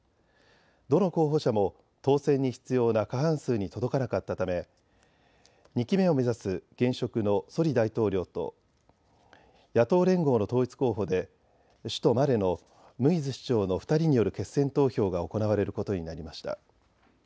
どの候補者も当選に必要な過半数に届かなかったため２期目を目指す現職のソリ大統領と野党連合の統一候補で首都マレのムイズ市長の２人による決選投票が行われることになりました。